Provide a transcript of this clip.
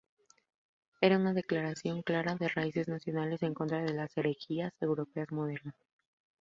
Era una declaración clara de raíces nacionales, en contra de las herejías europeas modernas.